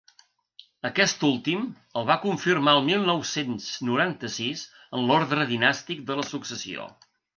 Aquest últim el va confirmar el mil nou-cents noranta-sis en l’ordre dinàstic de la successió.